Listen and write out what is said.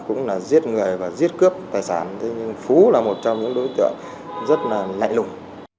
cũng là giết người và giết cướp tài sản thế nhưng phú là một trong những đối tượng rất là lạnh lùng